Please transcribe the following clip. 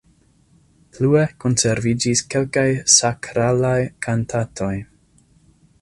Plue konserviĝis kelkaj sakralaj kantatoj.